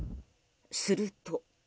すると。